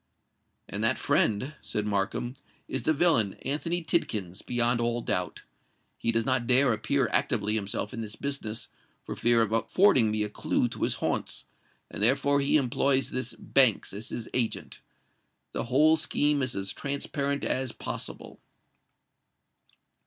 "And that friend," said Markham, "is the villain Anthony Tidkins—beyond all doubt. He does not dare appear actively himself in this business, for fear of affording me a clue to his haunts; and therefore he employs this Banks as his agent. The whole scheme is as transparent as possible."